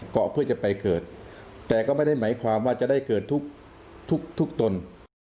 อกเพื่อจะไปเกิดแต่ก็ไม่ได้หมายความว่าจะได้เกิดทุกทุกตน